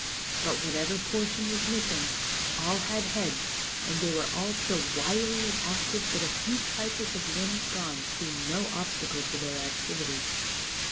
But, whatever portion was missing, all had heads, and they were all so wiry and active that a few trifles of limbs gone seemed no obstacle to their activity.